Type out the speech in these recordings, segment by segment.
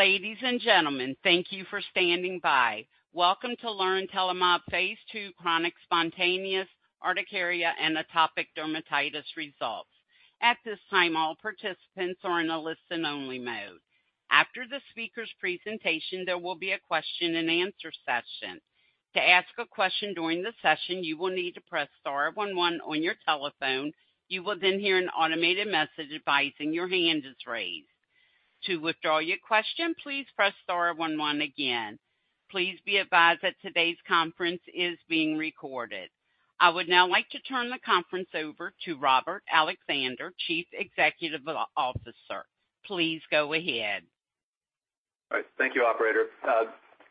Ladies and gentlemen, thank you for standing by. Welcome to Phase 2 Chronic Spontaneous Urticaria and Atopic Dermatitis Results. At this time, all participants are in a listen-only mode. After the speaker's presentation, there will be a question-and-answer session. To ask a question during the session, you will need to press star one one on your telephone. You will then hear an automated message advising your hand is raised. To withdraw your question, please press star one one again. Please be advised that today's conference is being recorded. I would now like to turn the conference over to Robert Alexander, Chief Executive Officer. Please go ahead. All right, thank you, operator. I'd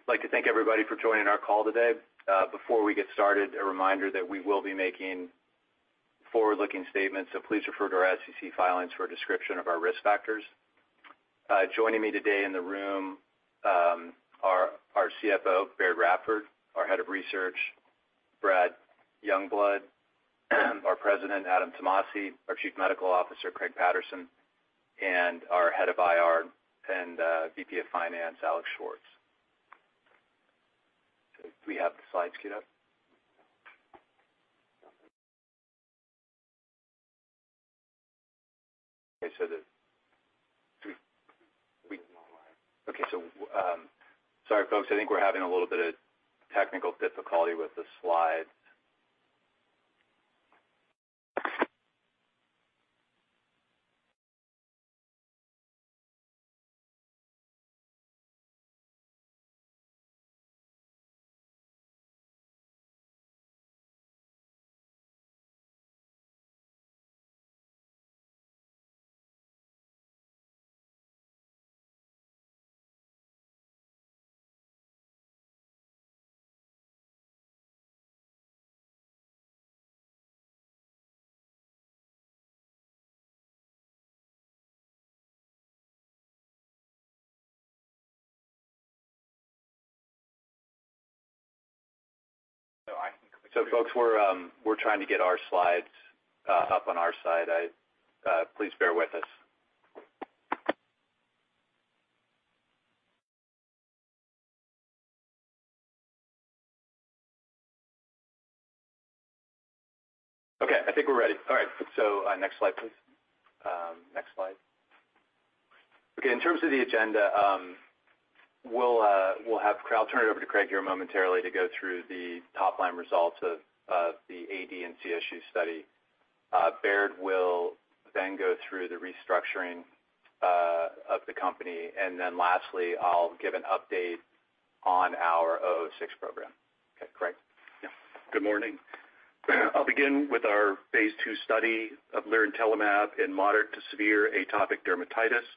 like to thank everybody for joining our call today. Before we get started, a reminder that we will be making forward-looking statements, so please refer to our SEC filings for a description of our risk factors. Joining me today in the room are our CFO, Baird Radford, our Head of Research, Brad Youngblood, our President, Adam Tomasi, our Chief Medical Officer, Craig Patterson, and our Head of IR and VP of Finance, Alex Schwartz. Do we have the slides cued up? Okay, sorry, folks. I think we're having a little bit of technical difficulty with the slides. So, folks, we're trying to get our slides up on our side. Please bear with us. Okay, I think we're ready. All right, so, next slide, please. Next slide. Okay, in terms of the agenda, we'll have. I'll turn it over to Craig here momentarily to go through the top-line results of the AD and CSU study. Baird will then go through the restructuring of the company, and then lastly, I'll give an update on our AK006 program. Okay, Craig? Yeah. Good morning. I'll begin with our Phase 2 study of lirentelimab in moderate to severe atopic dermatitis.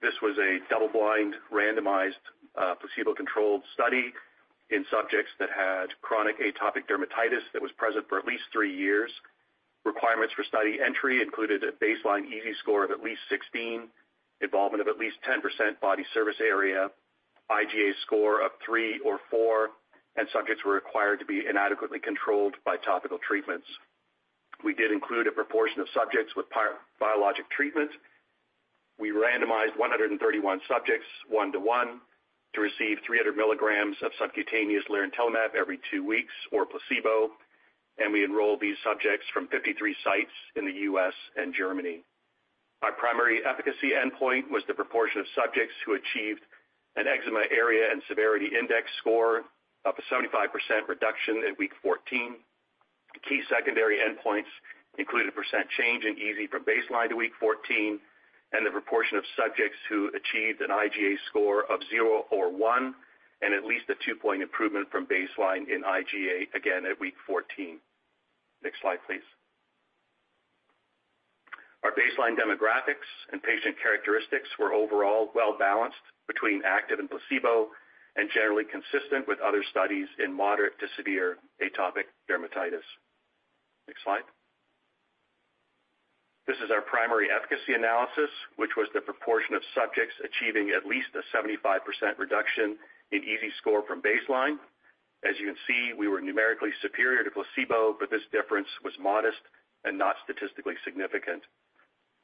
This was a double-blind, randomized, placebo-controlled study in subjects that had chronic atopic dermatitis that was present for at least three years. Requirements for study entry included a baseline EASI score of at least 16, involvement of at least 10% body surface area, IGA score of three or four, and subjects were required to be inadequately controlled by topical treatments. We did include a proportion of subjects with prior biologic treatment. We randomized 131 subjects, 1:1, to receive 300 mg of subcutaneous lirentelimab every two weeks or placebo, and we enrolled these subjects from 53 sites in the U.S. and Germany. Our primary efficacy endpoint was the proportion of subjects who achieved an Eczema Area and Severity Index score of a 75% reduction at week 14. Key secondary endpoints included a % change in EASI from baseline to week 14, and the proportion of subjects who achieved an IGA score of zero or one, and at least a two-point improvement from baseline in IGA, again, at week 14. Next slide, please. Our baseline demographics and patient characteristics were overall well-balanced between active and placebo, and generally consistent with other studies in moderate to severe atopic dermatitis. Next slide. This is our primary efficacy analysis, which was the proportion of subjects achieving at least a 75% reduction in EASI score from baseline. As you can see, we were numerically superior to placebo, but this difference was modest and not statistically significant.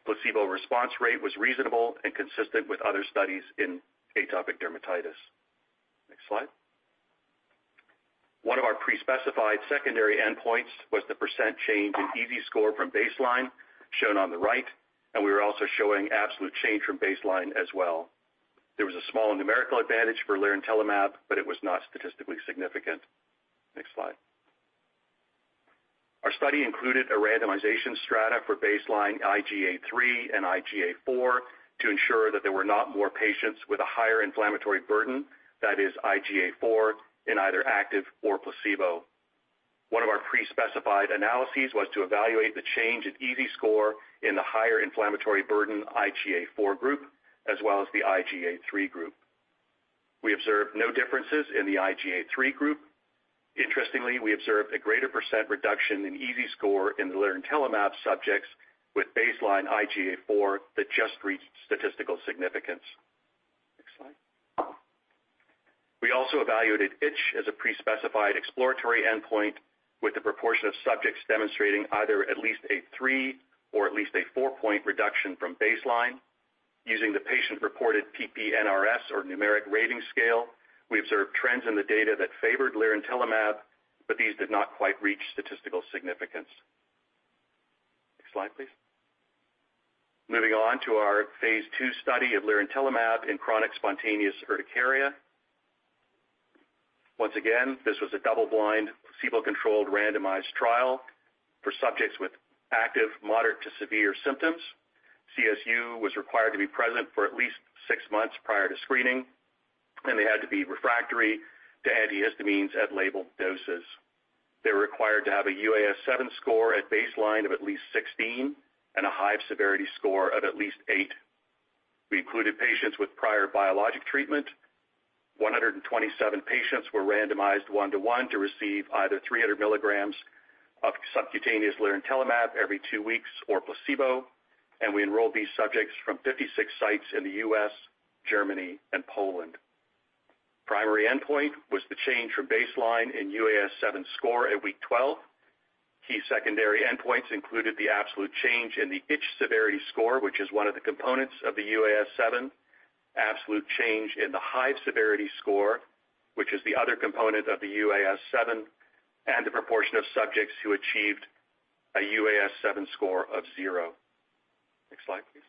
Placebo response rate was reasonable and consistent with other studies in atopic dermatitis. Next slide. One of our pre-specified secondary endpoints was the percent change in EASI score from baseline, shown on the right, and we were also showing absolute change from baseline as well. There was a small numerical advantage for lirentelimab, but it was not statistically significant. Next slide. Our study included a randomization strata for baseline IGA 3 and IGA 4 to ensure that there were not more patients with a higher inflammatory burden, that is IGA 4, in either active or placebo. One of our pre-specified analyses was to evaluate the change in EASI score in the higher inflammatory burden IGA 4 group, as well as the IGA 3 group. We observed no differences in the IGA 3 group. Interestingly, we observed a greater percent reduction in EASI score in the lirentelimab subjects with baseline IGA 4 that just reached statistical significance. We also evaluated itch as a pre-specified exploratory endpoint, with the proportion of subjects demonstrating either at least a three or at least a four-point reduction from baseline. Using the patient-reported PPNRS, or numeric rating scale, we observed trends in the data that favored lirentelimab, but these did not quite reach statistical significance. Next slide, please. Moving on to Phase 2 study of lirentelimab in Chronic Spontaneous Urticaria. Once again, this was a double-blind, placebo-controlled, randomized trial for subjects with active, moderate to severe symptoms. CSU was required to be present for at least six months prior to screening, and they had to be refractory to antihistamines at labeled doses. They were required to have a UAS7 score at baseline of at least 16 and a hive severity score of at least eight. We included patients with prior biologic treatment. 127 patients were randomized 1:1 to receive either 300 milligrams of subcutaneous lirentelimab every two weeks or placebo, and we enrolled these subjects from 56 sites in the U.S., Germany, and Poland. Primary endpoint was the change from baseline in UAS7 score at week 12. Key secondary endpoints included the absolute change in the itch severity score, which is one of the components of the UAS7, absolute change in the hive severity score, which is the other component of the UAS7, and the proportion of subjects who achieved a UAS7 score of zero. Next slide, please.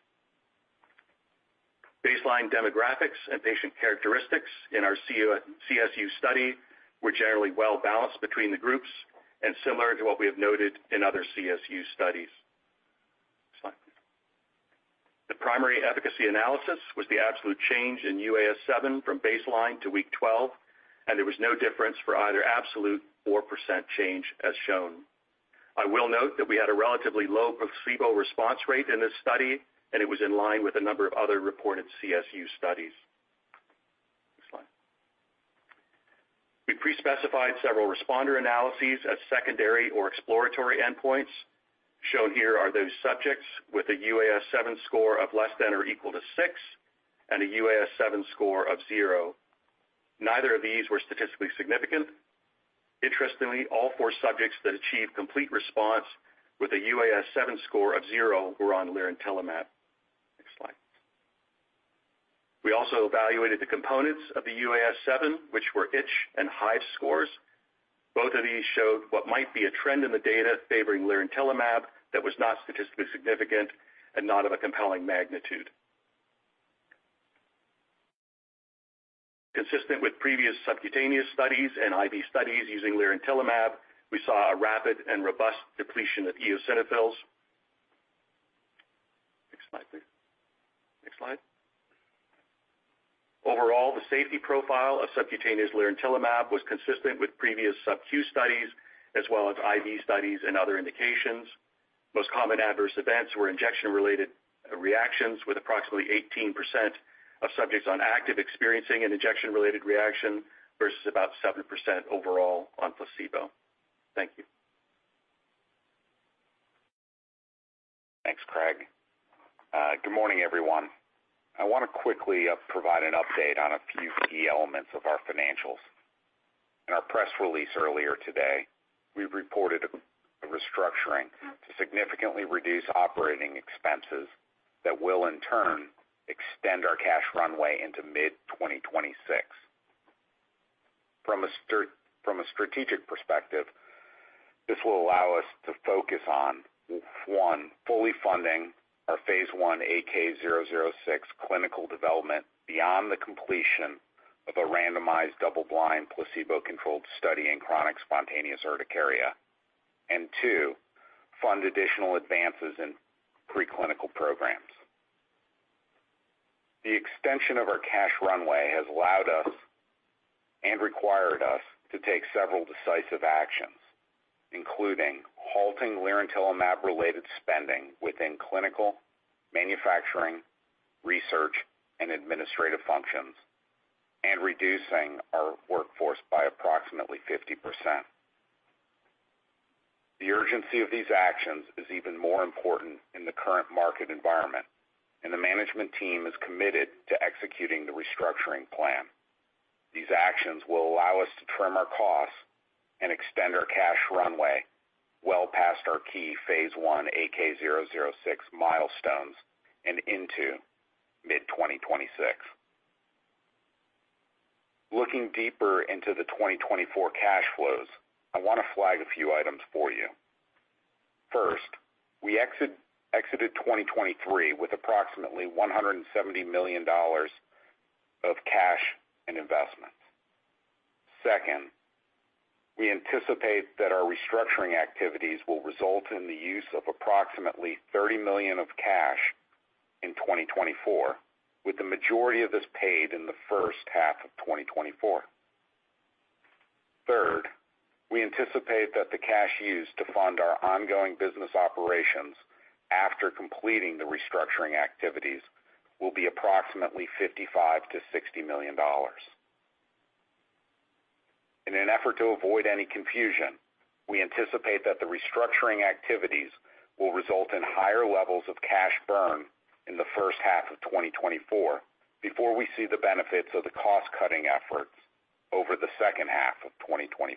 Baseline demographics and patient characteristics in our CSU study were generally well balanced between the groups and similar to what we have noted in other CSU studies. Next slide. The primary efficacy analysis was the absolute change in UAS7 from baseline to week 12, and there was no difference for either absolute or percent change as shown. I will note that we had a relatively low placebo response rate in this study, and it was in line with a number of other reported CSU studies. Next slide. We pre-specified several responder analyses as secondary or exploratory endpoints. Shown here are those subjects with a UAS7 score of less than or equal to six and a UAS7 score of zero. Neither of these were statistically significant. Interestingly, all four subjects that achieved complete response with a UAS7 score of zero were on lirentelimab. Next slide. We also evaluated the components of the UAS7, which were itch and hive scores. Both of these showed what might be a trend in the data favoring lirentelimab that was not statistically significant and not of a compelling magnitude. Consistent with previous subcutaneous studies and IV studies using lirentelimab, we saw a rapid and robust depletion of eosinophils. Next slide, please. Next slide. Overall, the safety profile of subcutaneous lirentelimab was consistent with previous sub-Q studies, as well as IV studies and other indications. Most common adverse events were injection-related reactions, with approximately 18% of subjects on active experiencing an injection-related reaction versus about 7% overall on placebo. Thank you. Thanks, Craig. Good morning, everyone. I want to quickly provide an update on a few key elements of our financials. In our press release earlier today, we reported a restructuring to significantly reduce operating expenses that will, in turn, extend our cash runway into mid-2026. From a strategic perspective, this will allow us to focus on, one, fully funding our Phase 1 AK006 clinical development beyond the completion of a randomized, double-blind, placebo-controlled study in Chronic Spontaneous Urticaria. And two, fund additional advances in preclinical programs. The extension of our cash runway has allowed us and required us to take several decisive actions, including halting lirentelimab-related spending within clinical, manufacturing, research, and administrative functions, and reducing our workforce by approximately 50%. The urgency of these actions is even more important in the current market environment, and the management team is committed to executing the restructuring plan. These actions will allow us to trim our costs and extend our cash runway well past our key Phase 1 AK006 milestones and into mid-2026. Looking deeper into the 2024 cash flows, I want to flag a few items for you. First, we exited 2023 with approximately $170 million of cash and investments. Second, we anticipate that our restructuring activities will result in the use of approximately $30 million of cash in 2024, with the majority of this paid in the first half of 2024. Third, we anticipate that the cash used to fund our ongoing business operations after completing the restructuring activities will be approximately $55 million-$60 million. In an effort to avoid any confusion, we anticipate that the restructuring activities will result in higher levels of cash burn in the first half of 2024, before we see the benefits of the cost-cutting efforts over the second half of 2024.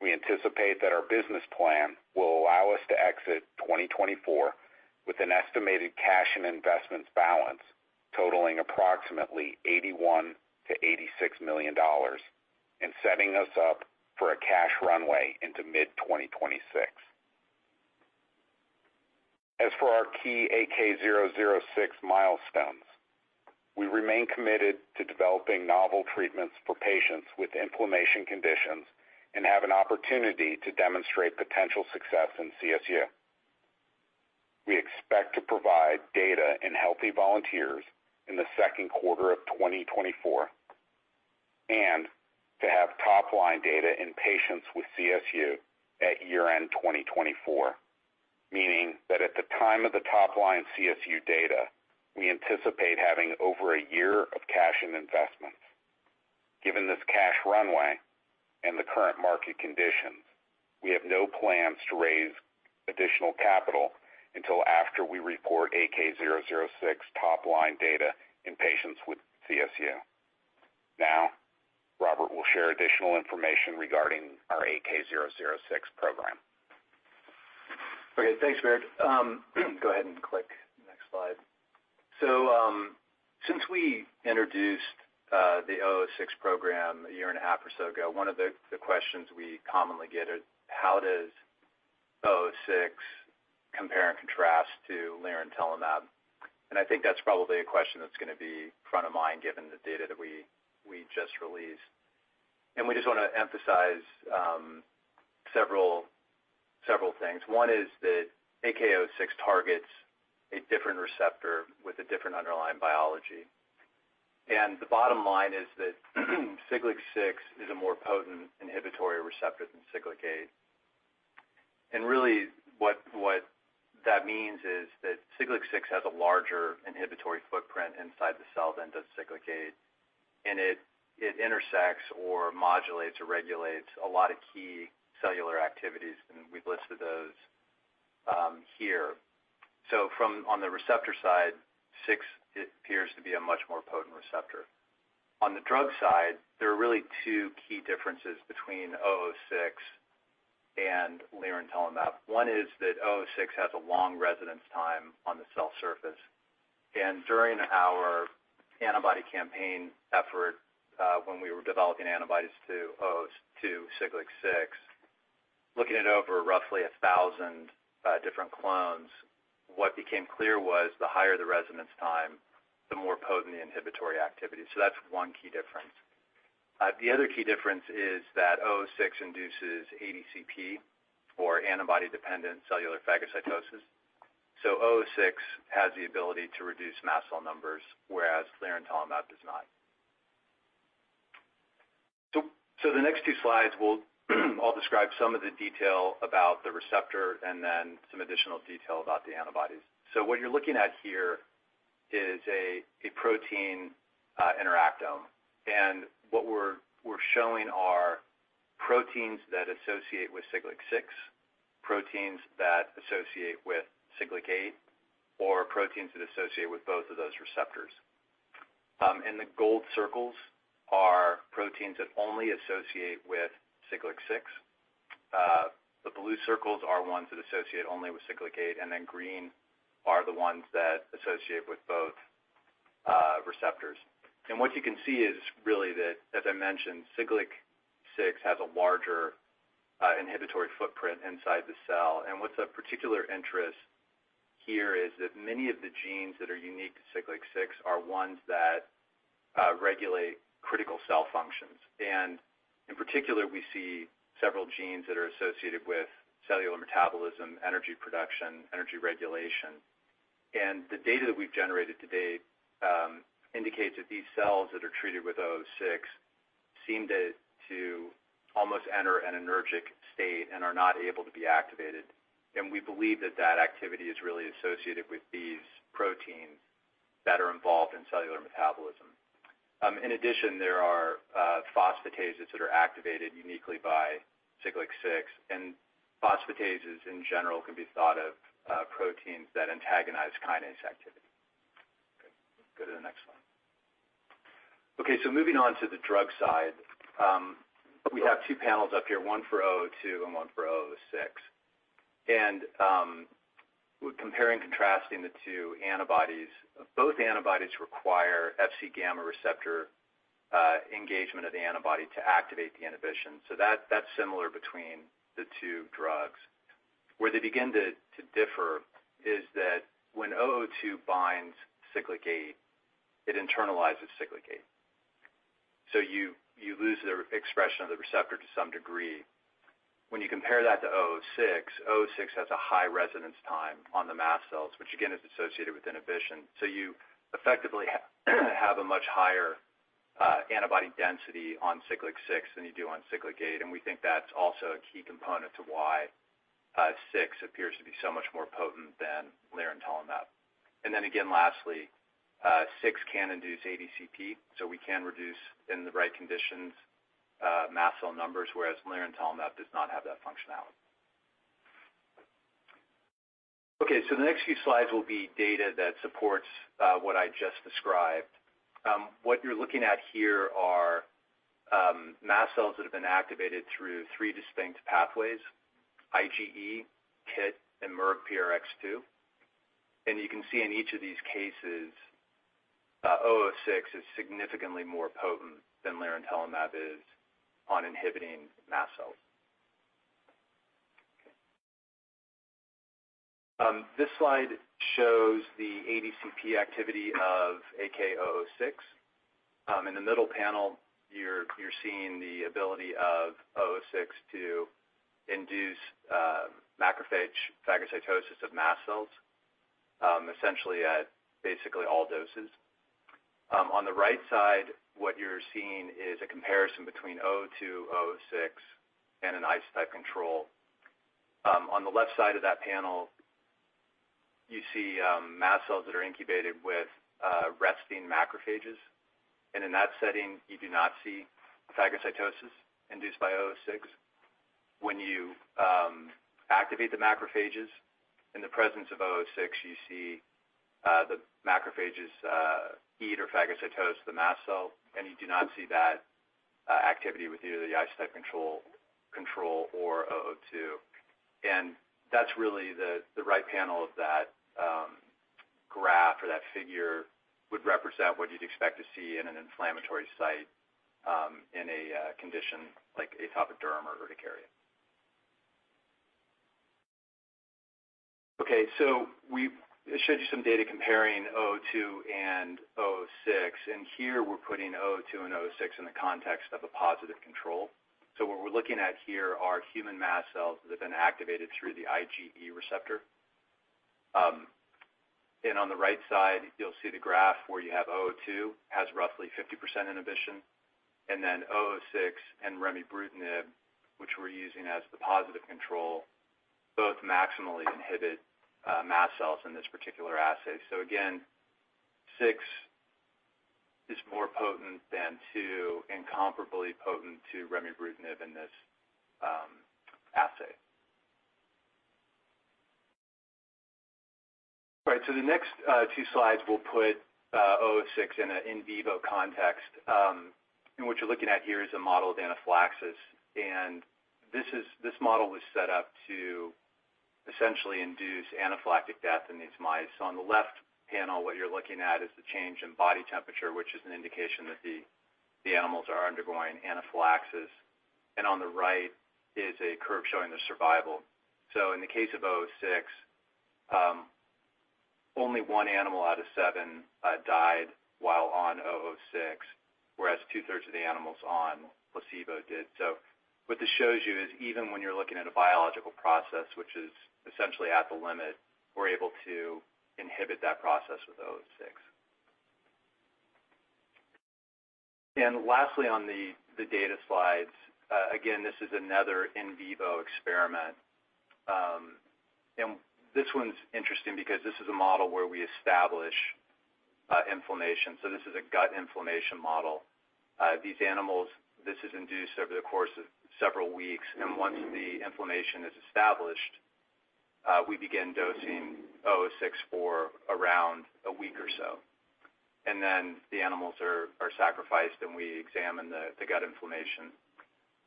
We anticipate that our business plan will allow us to exit 2024 with an estimated cash and investments balance totaling approximately $81 million-$86 million, and setting us up for a cash runway into mid-2026. As for our key AK006 milestones, we remain committed to developing novel treatments for patients with inflammation conditions and have an opportunity to demonstrate potential success in CSU. We expect to provide data in healthy volunteers in the second quarter of 2024, and to have top line data in patients with CSU at year-end 2024, meaning that at the time of the top line CSU data, we anticipate having over a year of cash and investments. Given this cash runway and the current market conditions, we have no plans to raise additional capital until after we report AK006 top line data in patients with CSU. Now, Robert will share additional information regarding our AK006 program. Okay, thanks, Baird. Go ahead and click next slide. So, since we introduced the AK006 program a year and a half or so ago, one of the questions we commonly get is: How does AK006 compare and contrast to lirentelimab? And I think that's probably a question that's gonna be front of mind given the data that we just released. And we just wanna emphasize several things. One is that AK006 targets a different receptor with a different underlying biology. And the bottom line is that Siglec-6 is a more potent inhibitory receptor than Siglec-8. And really, what that means is that Siglec-6 has a larger inhibitory footprint inside the cell than does Siglec-8, and it intersects or modulates or regulates a lot of key cellular activities, and we've listed those here. So from, on the receptor side, Siglec-6 appears to be a much more potent receptor. On the drug side, there are really two key differences between AK006 and lirentelimab. One is that AK006 has a long residence time on the cell surface. And during our antibody campaign effort, when we were developing antibodies to AK002, Siglec-6, looking at over roughly 1,000 different clones, what became clear was the higher the residence time, the more potent the inhibitory activity. So that's one key difference. The other key difference is that AK006 induces ADCP, or antibody-dependent cellular phagocytosis. So AK006 has the ability to reduce mast cell numbers, whereas lirentelimab does not. So the next two slides will all describe some of the detail about the receptor and then some additional detail about the antibodies. So what you're looking at here is a protein interactome. What we're showing are proteins that associate with Siglec-6, proteins that associate with Siglec-8, or proteins that associate with both of those receptors. The gold circles are proteins that only associate with Siglec-6. The blue circles are ones that associate only with Siglec-8, and then green are the ones that associate with both receptors. What you can see is really that, as I mentioned, Siglec-6 has a larger inhibitory footprint inside the cell. What's of particular interest here is that many of the genes that are unique to Siglec-6 are ones that regulate critical cell functions. In particular, we see several genes that are associated with cellular metabolism, energy production, energy regulation. And the data that we've generated to date indicates that these cells that are treated with AK006 seem to almost enter an anergic state and are not able to be activated. And we believe that that activity is really associated with these proteins that are involved in cellular metabolism. In addition, there are phosphatases that are activated uniquely by Siglec-6, and phosphatases, in general, can be thought of proteins that antagonize kinase activity. Okay, go to the next slide. Okay, so moving on to the drug side. We have two panels up here, one for AK002 and one for AK006. And we're comparing and contrasting the two antibodies. Both antibodies require Fc gamma receptor engagement of the antibody to activate the inhibition. So that, that's similar between the two drugs. Where they begin to differ is that when AK002 binds Siglec-8, it internalizes Siglec-8. So you lose the expression of the receptor to some degree. When you compare that to AK006, AK006 has a high residence time on the mast cells, which again, is associated with inhibition. So you effectively have a much higher antibody density on Siglec-6 than you do on Siglec-8, and we think that's also a key component to why six appears to be so much more potent than lirentelimab. And then again, lastly, six can induce ADCP, so we can reduce, in the right conditions, mast cell numbers, whereas mepolizumab does not have that functionality. Okay, so the next few slides will be data that supports what I just described. What you're looking at here are mast cells that have been activated through three distinct pathways, IgE, KIT, and MRGPRX2. And you can see in each of these cases, AK006 is significantly more potent than mepolizumab is on inhibiting mast cells. Okay. This slide shows the ADCP activity of AK006. In the middle panel, you're seeing the ability of AK006 to induce macrophage phagocytosis of mast cells, essentially at basically all doses. On the right side, what you're seeing is a comparison between AK002, AK006, and an isotype control. On the left side of that panel, you see mast cells that are incubated with resting macrophages, and in that setting, you do not see phagocytosis induced by AK006. When you activate the macrophages in the presence of AK006, you see the macrophages eat or phagocytose the mast cell, and you do not see that activity with either the isotype control or AK002. And that's really the right panel of that graph or that figure would represent what you'd expect to see in an inflammatory site in a condition like atopic dermatitis. Okay, so we've showed you some data comparing AK002 and AK006, and here we're putting AK002 and AK006 in the context of a positive control. So what we're looking at here are human mast cells that have been activated through the IgE receptor. And on the right side, you'll see the graph where you have AK002, has roughly 50% inhibition, and then AK006 and remibrutinib, which we're using as the positive control, both maximally inhibit mast cells in this particular assay. So again, 6 is more potent than 2 and comparably potent to remibrutinib in this assay. Right, so the next two slides will put AK006 in an in vivo context. And what you're looking at here is a model of anaphylaxis, and this is. This model was set up to essentially induce anaphylactic death in these mice. So on the left panel, what you're looking at is the change in body temperature, which is an indication that the animals are undergoing anaphylaxis. And on the right is a curve showing the survival. So in the case of AK006, only one animal out of seven died while on AK006, whereas 2/3 of the animals on placebo did. So what this shows you is, even when you're looking at a biological process, which is essentially at the limit, we're able to inhibit that process with AK006. And lastly, on the data slides, again, this is another in vivo experiment. And this one's interesting because this is a model where we establish inflammation, so this is a gut inflammation model. These animals, this is induced over the course of several weeks, and once the inflammation is established, we begin dosing AK006 for around a week or so, and then the animals are sacrificed, and we examine the gut inflammation.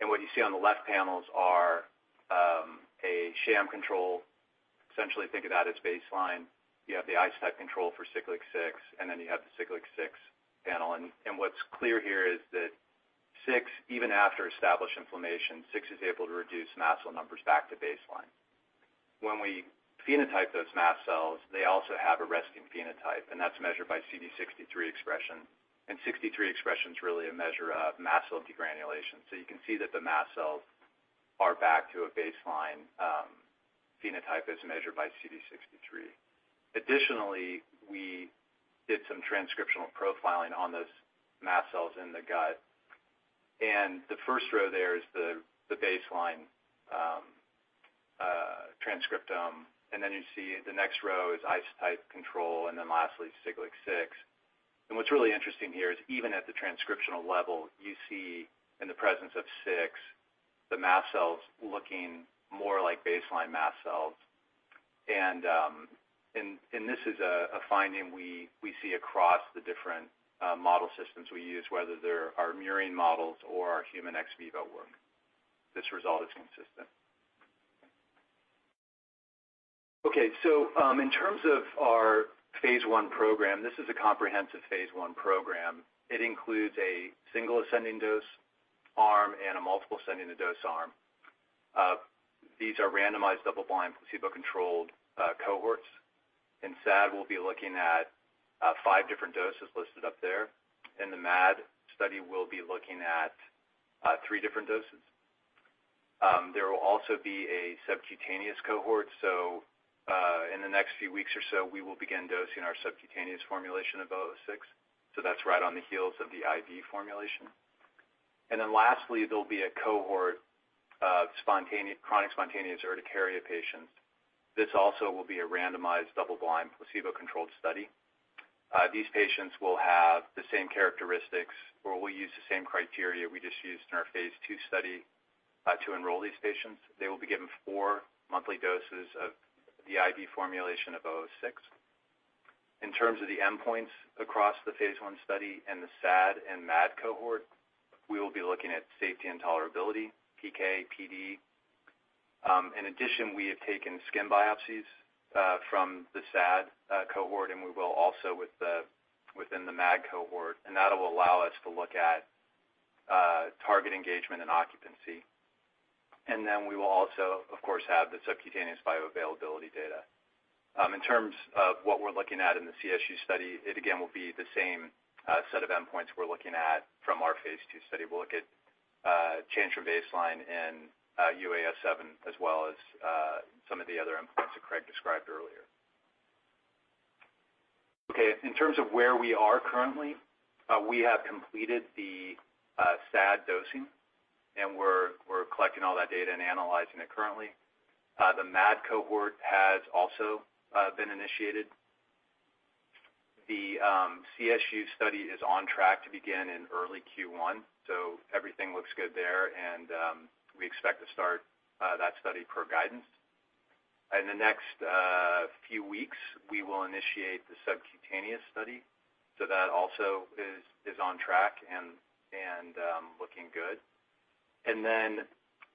And what you see on the left panels are a sham control. Essentially think of that as baseline. You have the isotype control for Siglec-6, and then you have the Siglec-6 panel. And what's clear here is that six, even after established inflammation, six is able to reduce mast cell numbers back to baseline. When we phenotype those mast cells, they also have a resting phenotype, and that's measured by CD63 expression, and sixty-three expression's really a measure of mast cell degranulation. So you can see that the mast cells are back to a baseline phenotype as measured by CD63. Additionally, we did some transcriptional profiling on those mast cells in the gut, and the first row there is the baseline transcriptome, and then you see the next row is isotype control, and then lastly, Siglec-6. What's really interesting here is even at the transcriptional level, you see in the presence of Siglec-6, the mast cells looking more like baseline mast cells. And this is a finding we see across the different model systems we use, whether they're our murine models or our human ex vivo work. This result is consistent. Okay, so in terms of our Phase 1 program, this is a comprehensive Phase 1 program. It includes a single ascending-dose arm and a multiple ascending-dose arm. These are randomized, double-blind, placebo-controlled cohorts. In SAD, we'll be looking at five different doses listed up there. In the MAD study, we'll be looking at three different doses. There will also be a subcutaneous cohort, in the next few weeks or so, we will begin dosing our subcutaneous formulation of AK006, that's right on the heels of the IV formulation. Then lastly, there'll be a cohort of spontaneous, Chronic Spontaneous Urticaria patients. This also will be a randomized, double-blind, placebo-controlled study. These patients will have the same characteristics, or we'll use the same criteria we just used in our Phase 2 study, to enroll these patients. They will be given four monthly doses of the IV formulation of AK006. In terms of the endpoints across the Phase 1 study and the SAD and MAD cohort, we will be looking at safety and tolerability, PK/PD. In addition, we have taken skin biopsies from the SAD cohort, and we will also within the MAD cohort, and that'll allow us to look at target engagement and occupancy. And then we will also, of course, have the subcutaneous bioavailability data. In terms of what we're looking at in the CSU study, it again will be the same set of endpoints we're looking at from our Phase 2 study. We'll look at change from baseline and UAS7, as well as some of the other endpoints that Craig described earlier. Okay, in terms of where we are currently, we have completed the SAD dosing, and we're collecting all that data and analyzing it currently. The MAD cohort has also been initiated. The CSU study is on track to begin in early Q1, so everything looks good there, and we expect to start that study per guidance. In the next few weeks, we will initiate the subcutaneous study, so that also is on track and looking good. And then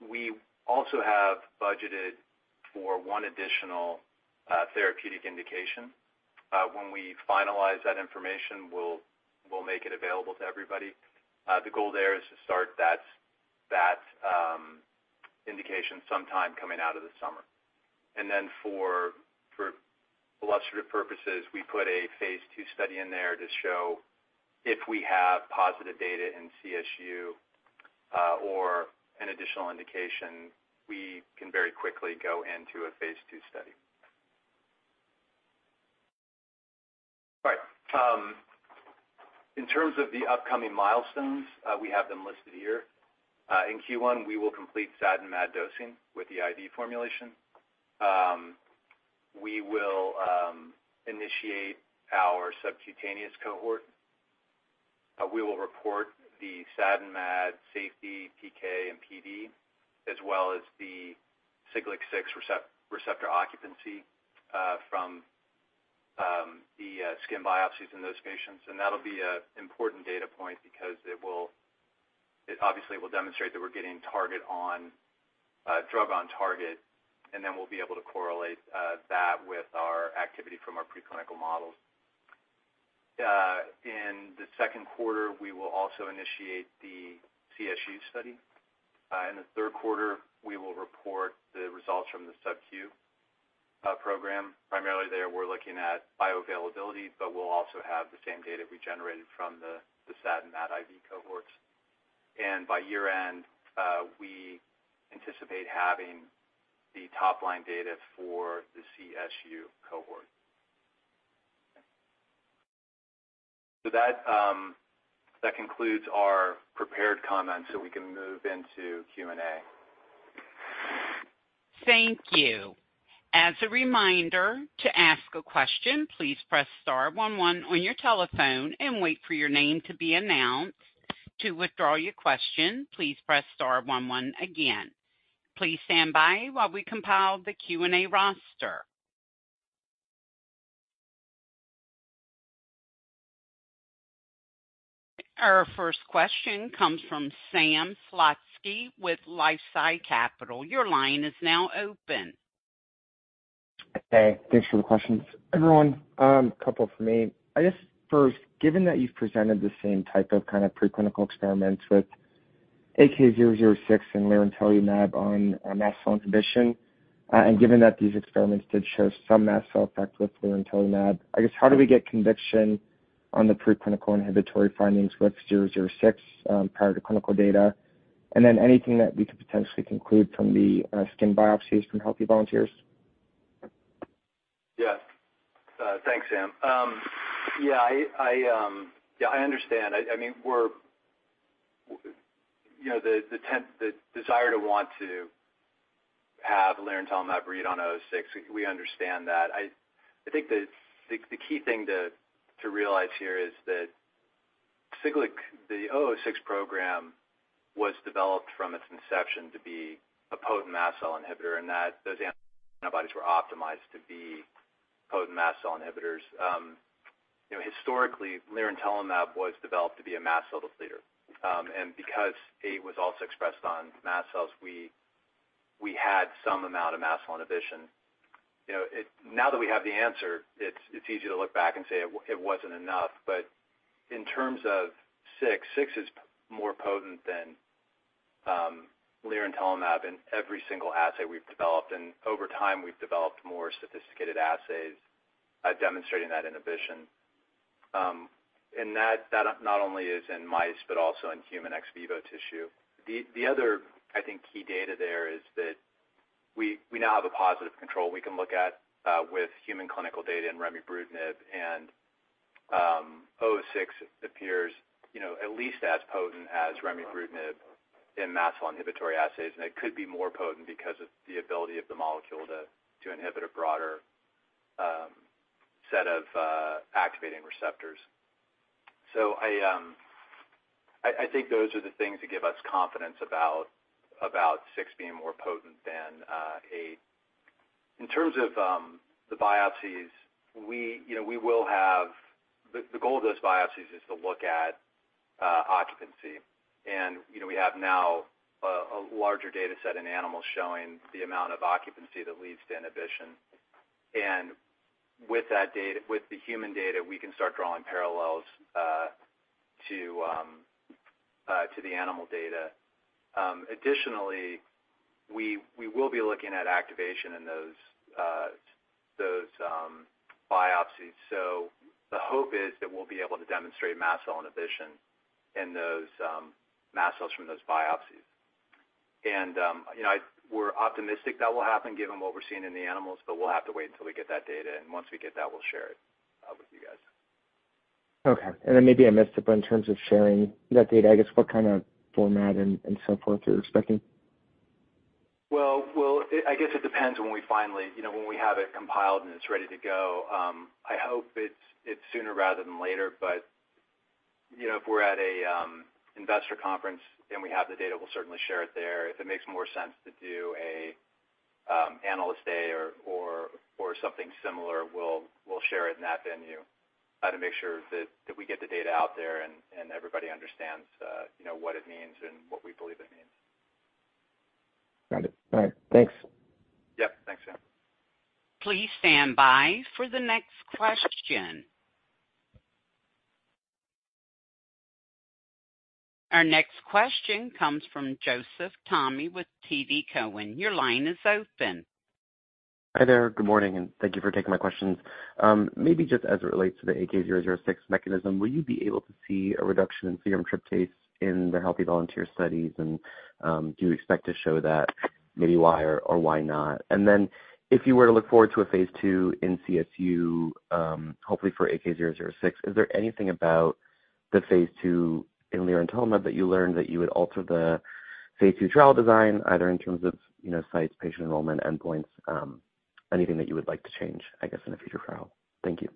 we also have budgeted for one additional therapeutic indication. When we finalize that information, we'll make it available to everybody. The goal there is to start that indication sometime coming out of the summer. And then for illustrative purposes, we put a Phase 2 study in there to show if we have positive data in CSU or an additional indication, we can very quickly go into a Phase 2 study. Right. In terms of the upcoming milestones, we have them listed here. In Q1, we will complete SAD and MAD dosing with the IV formulation. We will initiate our subcutaneous cohort. We will report the SAD and MAD safety, PK, and PD, as well as the Siglec-6 receptor occupancy from the skin biopsies in those patients. And that'll be an important data point because it will... It obviously will demonstrate that we're getting target on drug on target, and then we'll be able to correlate that with our activity from our preclinical models. In the second quarter, we will also initiate the CSU study. In the third quarter, we will report the results from the sub-Q program. Primarily there, we're looking at bioavailability, but we'll also have the same data we generated from the SAD and MAD IV cohorts. By year-end, we anticipate having the top-line data for the CSU cohort. That concludes our prepared comments, so we can move into Q&A. Thank you. As a reminder, to ask a question, please press star one one on your telephone and wait for your name to be announced. To withdraw your question, please press star one one again. Please stand by while we compile the Q&A roster. Our first question comes from Sam Slutsky with LifeSci Capital. Your line is now open. Hey, thanks for the questions. Everyone, a couple for me. I guess first, given that you've presented the same type of kind of preclinical experiments with AK006 and lirentelimab on mast cell inhibition, and given that these experiments did show some mast cell effect with lirentelimab, I guess, how do we get conviction on the preclinical inhibitory findings with AK006, prior to clinical data? And then anything that we could potentially conclude from the skin biopsies from healthy volunteers? Yeah. Thanks, Sam. Yeah, I understand. I mean, we're, you know, the desire to want to have lirentelimab read on AK006, we understand that. I think the key thing to realize here is that Siglec, the AK006 program was developed from its inception to be a potent mast cell inhibitor, and that those antibodies were optimized to be potent mast cell inhibitors. You know, historically, lirentelimab was developed to be a mast cell depleter. And because it was also expressed on mast cells, we had some amount of mast cell inhibition. You know, now that we have the answer, it's easy to look back and say it wasn't enough. But in terms of six, six is more potent than lirentelimab in every single assay we've developed, and over time, we've developed more sophisticated assays demonstrating that inhibition. And that not only is in mice, but also in human ex vivo tissue. The other, I think, key data there is that. We now have a positive control we can look at with human clinical data in remibrutinib, and AK006 appears, you know, at least as potent as remibrutinib in mast cell inhibitory assays, and it could be more potent because of the ability of the molecule to inhibit a broader set of activating receptors. So I think those are the things that give us confidence about six being more potent than eight. In terms of the biopsies, you know, we will have. The goal of those biopsies is to look at occupancy. And, you know, we have now a larger data set in animals showing the amount of occupancy that leads to inhibition. And with that data, with the human data, we can start drawing parallels to the animal data. Additionally, we will be looking at activation in those biopsies. So the hope is that we'll be able to demonstrate mast cell inhibition in those mast cells from those biopsies. And, you know, we're optimistic that will happen given what we're seeing in the animals, but we'll have to wait until we get that data, and once we get that, we'll share it with you guys. Okay. And then maybe I missed it, but in terms of sharing that data, I guess, what kind of format and so forth are you expecting? Well, well, I guess it depends when we finally, you know, when we have it compiled and it's ready to go. I hope it's sooner rather than later, but, you know, if we're at a investor conference and we have the data, we'll certainly share it there. If it makes more sense to do a analyst day or something similar, we'll share it in that venue, to make sure that we get the data out there and everybody understands, you know, what it means and what we believe it means. Got it. All right. Thanks. Yep. Thanks, Sam. Please stand by for the next question. Our next question comes from Joseph Thome with TD Cowen. Your line is open. Hi there. Good morning, and thank you for taking my questions. Maybe just as it relates to the AK006 mechanism, will you be able to see a reduction in serum tryptase in the healthy volunteer studies? And, do you expect to show that, maybe why or, or why not? And then if you were to look forward to a Phase two in CSU, hopefully for AK006, is there anything about the Phase two in lirentelimab that you learned that you would alter the Phase two trial design, either in terms of, you know, sites, patient enrollment, endpoints, anything that you would like to change, I guess, in a future trial? Thank you.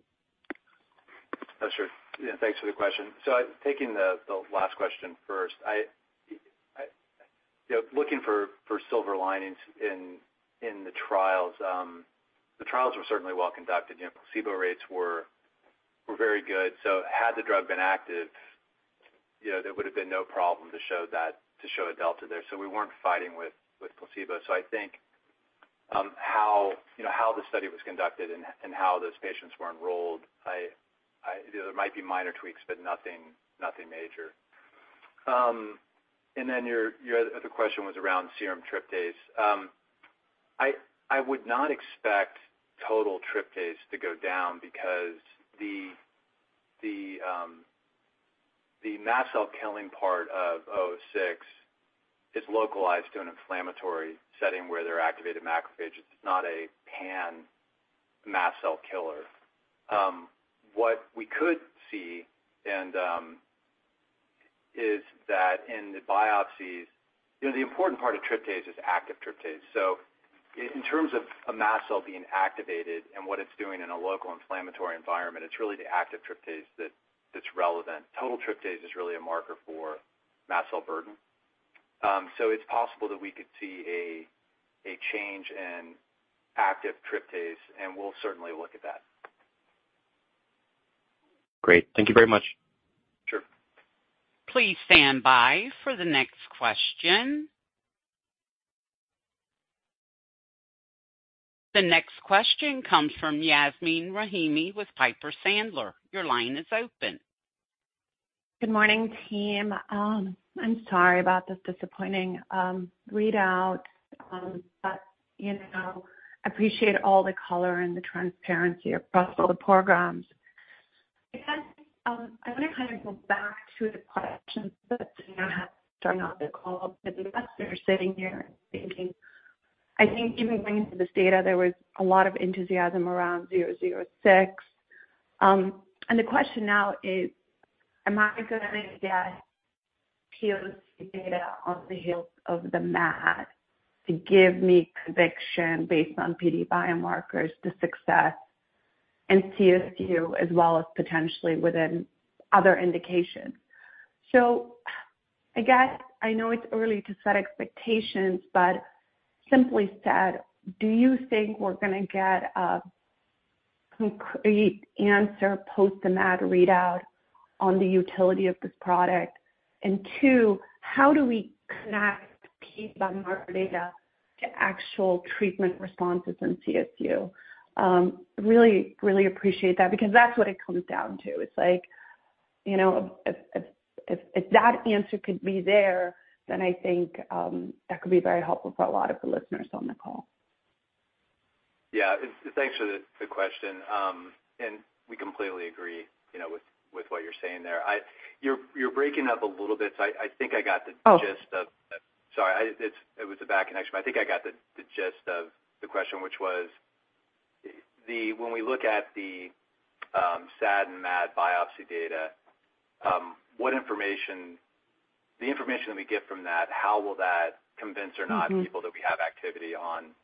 Sure. Yeah, thanks for the question. So taking the last question first, you know, looking for silver linings in the trials, the trials were certainly well conducted. You know, placebo rates were very good, so had the drug been active, you know, there would have been no problem to show that, to show a delta there. So we weren't fighting with placebo. So I think, you know, how the study was conducted and how those patients were enrolled, there might be minor tweaks, but nothing major. And then your other question was around serum tryptase. I would not expect total tryptase to go down because the mast cell killing part of AK006 is localized to an inflammatory setting where they're activated macrophages. It's not a pan mast cell killer. What we could see, and, is that in the biopsies... You know, the important part of tryptase is active tryptase. So in terms of a mast cell being activated and what it's doing in a local inflammatory environment, it's really the active tryptase that's relevant. Total tryptase is really a marker for mast cell burden. So it's possible that we could see a change in active tryptase, and we'll certainly look at that. Great. Thank you very much. Sure. Please stand by for the next question. The next question comes from Yasmeen Rahimi with Piper Sandler. Your line is open. Good morning, team. I'm sorry about this disappointing readout, but, you know, appreciate all the color and the transparency across all the programs. I guess, I wanna kind of go back to the question that, you know, had starting off the call, the investors sitting here and thinking, I think even going into this data, there was a lot of enthusiasm around AK006. And the question now is, am I gonna get POC data on the heels of the MAD to give me conviction based on PD biomarkers to success in CSU as well as potentially within other indications? So I guess I know it's early to set expectations, but simply said, do you think we're gonna get a concrete answer post the MAD readout on the utility of this product? And two, how do we connect PD biomarker data to actual treatment responses in CSU? Really, really appreciate that, because that's what it comes down to. It's like, you know, if that answer could be there, then I think that could be very helpful for a lot of the listeners on the call. Yeah, thanks for the question. We completely agree, you know, with what you're saying there. You're breaking up a little bit, so I think I got the- Oh. Gist of... Sorry, it was a bad connection, but I think I got the gist of the question, which was, when we look at the SAD and MAD biopsy data, what information... The information that we get from that, how will that convince or not people that we have activity on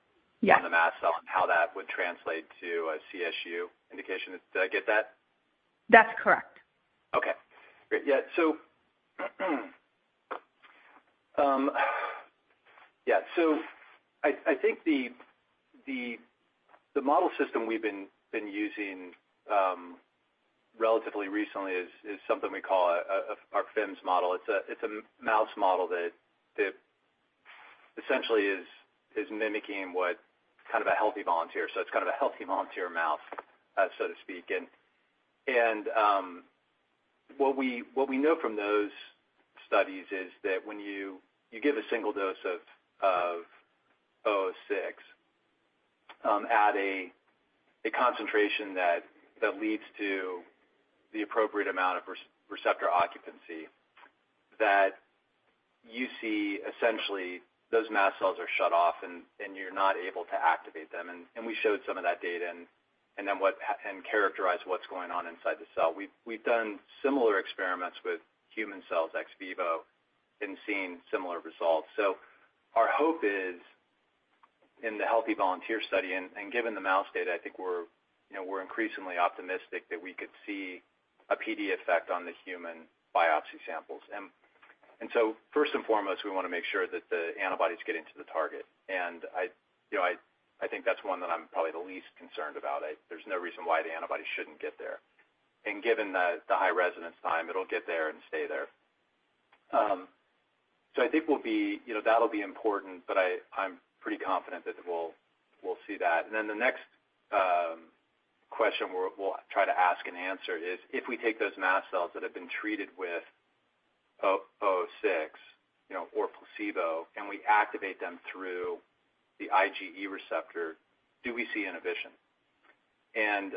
Yeah on the mast cell, and how that would translate to a CSU indication? Did I get that? That's correct. Okay. Great. Yeah, so, yeah. So I think the model system we've been using relatively recently is something we call our FIMS model. It's a mouse model that essentially is mimicking what kind of a healthy volunteer. So it's kind of a healthy volunteer mouse, so to speak. And what we know from those studies is that when you give a single dose of AK006 at a concentration that leads to the appropriate amount of receptor occupancy, that you see essentially those mast cells are shut off, and you're not able to activate them. And we showed some of that data and then characterized what's going on inside the cell. We've done similar experiments with human cells ex vivo and seen similar results. So our hope is, in the healthy volunteer study, and given the mouse data, I think we're, you know, we're increasingly optimistic that we could see a PD effect on the human biopsy samples. And so first and foremost, we wanna make sure that the antibodies get into the target. And I, you know, think that's one that I'm probably the least concerned about. There's no reason why the antibody shouldn't get there. And given the high residence time, it'll get there and stay there. So I think we'll be... You know, that'll be important, but I'm pretty confident that we'll see that. Then the next question we'll try to ask and answer is, if we take those mast cells that have been treated with AK006, you know, or placebo, and we activate them through the IgE receptor, do we see inhibition? And,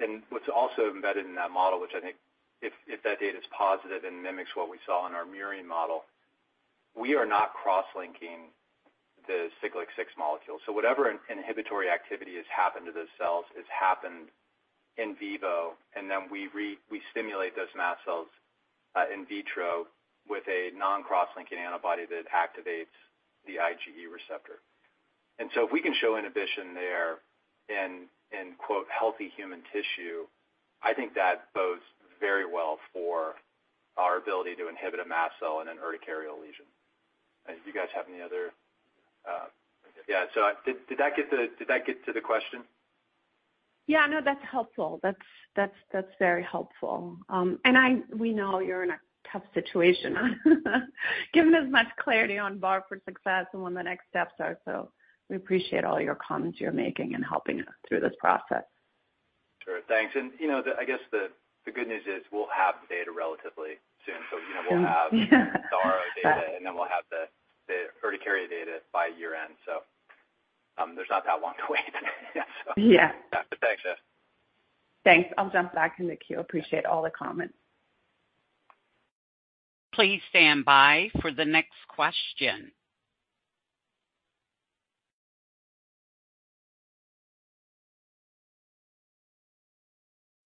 and what's also embedded in that model, which I think if that data is positive and mimics what we saw in our murine model, we are not cross-linking the Siglec-6 molecule. So whatever inhibitory activity has happened to those cells has happened in vivo, and then we stimulate those mast cells in vitro with a non-cross-linking antibody that activates the IgE receptor. And so if we can show inhibition there in quote, "healthy human tissue," I think that bodes very well for our ability to inhibit a mast cell in an urticarial lesion. Do you guys have any other? Yeah, so did that get to the question? Yeah, no, that's helpful. That's very helpful. And we know you're in a tough situation, giving as much clarity on bar for success and when the next steps are. So we appreciate all your comments you're making and helping us through this process. Sure. Thanks. And, you know, I guess the good news is we'll have the data relatively soon. So, you know, we'll have- Yeah. the SAD data, and then we'll have the urticaria data by year-end. So, there's not that long to wait. Yeah, so. Yeah. Thanks, yeah. Thanks. I'll jump back in the queue. Appreciate all the comments. Please stand by for the next question.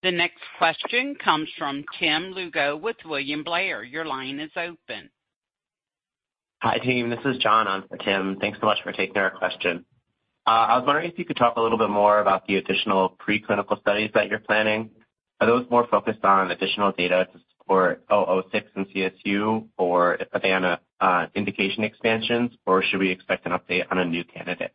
The next question comes from Tim Lugo with William Blair. Your line is open. Hi, team, this is John on for Tim. Thanks so much for taking our question. I was wondering if you could talk a little bit more about the additional preclinical studies that you're planning. Are those more focused on additional data to support AK006 and CSU, or are they on, uh, indication expansions, or should we expect an update on a new candidate?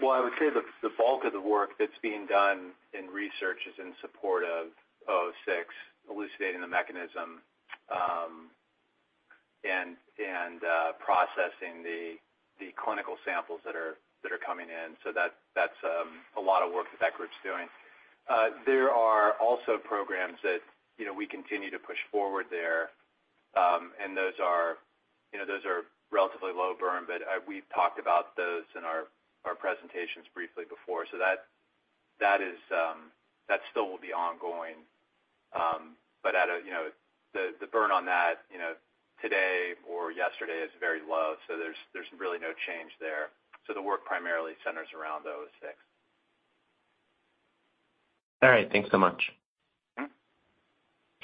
Well, I would say the bulk of the work that's being done in research is in support of AK006, elucidating the mechanism, and processing the clinical samples that are coming in. So that's a lot of work that group's doing. There are also programs that, you know, we continue to push forward there, and those are, you know, those are relatively low burn, but we've talked about those in our presentations briefly before. So that is still ongoing. But you know, the burn on that, you know, today or yesterday is very low, so there's really no change there. So the work primarily centers around AK006. All right. Thanks so much.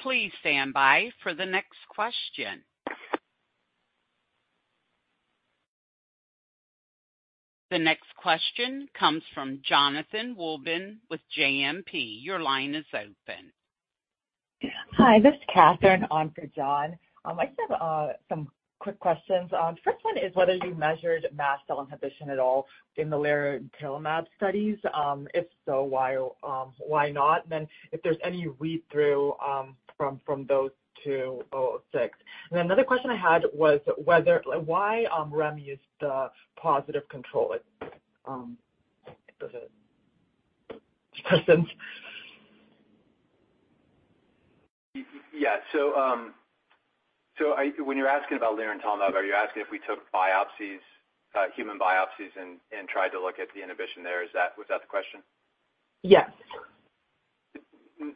Please stand by for the next question. The next question comes from Jonathan Wolleben with JMP. Your line is open. Hi, this is Catherine on for John. I just have some quick questions. First one is whether you measured mast cell inhibition at all in the lirentelimab studies. If so, why not? And then if there's any read-through from those to AK006. And another question I had was why REM used the positive control? Does it... Yeah. So, when you're asking about lirentelimab, are you asking if we took biopsies, human biopsies and tried to look at the inhibition there? Is that, was that the question? Yes.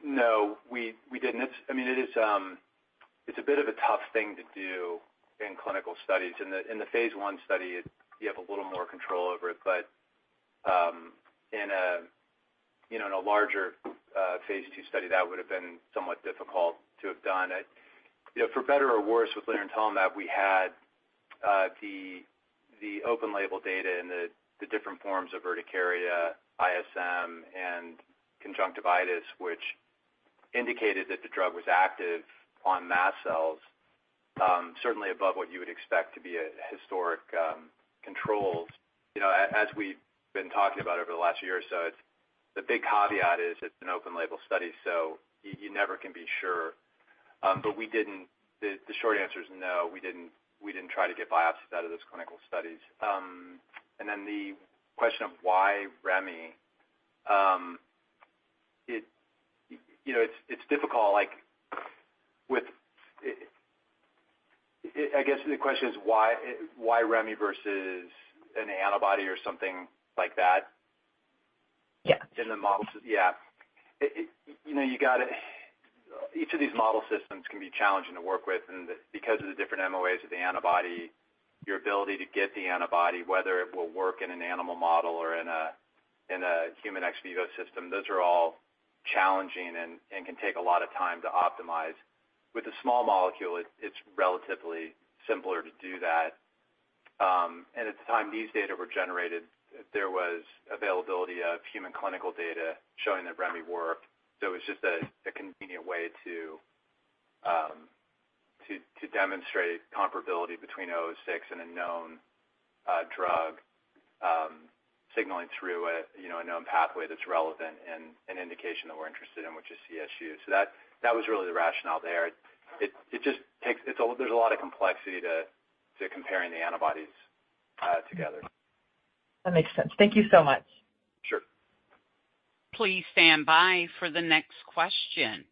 No, we didn't. It's, I mean, it is, it's a bit of a tough thing to do in clinical studies. In the Phase 1 study, you have a little more control over it, but, in a Phase 2 study, that would've been somewhat difficult to have done. I, for better or worse, with lirentelimab, we had the open label data and the different forms of urticaria, ISM, and conjunctivitis, which indicated that the drug was active on mast cells, certainly above what you would expect to be a historic control. You know, as we've been talking about over the last year or so, it's, the big caveat is it's an open label study, so you never can be sure. But the short answer is no, we didn't try to get biopsies out of those clinical studies. And then the question of why Remy, you know, it's difficult, like with... I guess the question is why Remy versus an antibody or something like that? Yes. In the models, yeah. It, you know, you gotta, each of these model systems can be challenging to work with, and because of the different MOAs of the antibody, your ability to get the antibody, whether it will work in an animal model or in a human ex vivo system, those are all challenging and can take a lot of time to optimize. With a small molecule, it's relatively simpler to do that. And at the time these data were generated, there was availability of human clinical data showing that Remy worked, so it was just a convenient way to demonstrate comparability between AK006 and a known drug signaling through a known pathway that's relevant in an indication that we're interested in, which is CSU. So that was really the rationale there. It just takes, it's a, there's a lot of complexity to comparing the antibodies together. That makes sense. Thank you so much. Sure. Please stand by for the next question.